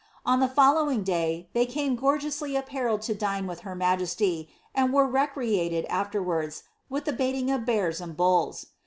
On the following day they came gorgeously appudled to dine niih her majesty, atid were recreated afterwards, with the bait ing of bears and bulls.